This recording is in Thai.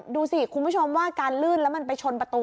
ดูสิคุณผู้ชมว่าการลื่นแล้วมันไปชนประตู